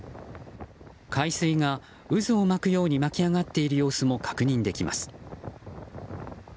海水が渦を巻くように巻き上がっている様子も確認できます。